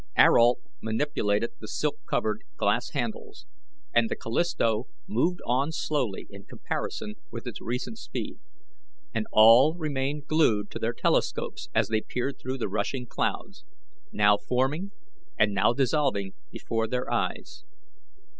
Ayrault manipulated the silk covered glass handles, and the Callisto moved on slowly in comparison with its recent speed, and all remained glued to their telescopes as they peered through the rushing clouds, now forming and now dissolving before their eyes.